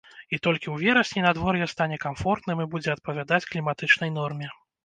І толькі ў верасні надвор'е стане камфортным і будзе адпавядаць кліматычнай норме.